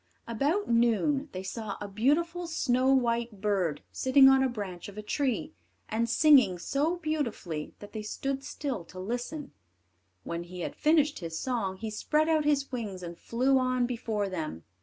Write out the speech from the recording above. About noon, they saw a beautiful snow white bird sitting on the branch of a tree, and singing so beautifully that they stood still to listen. When he had finished his song, he spread out his wings and flew on before them.